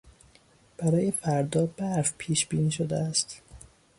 برای فردا برف پیشبینی شده است.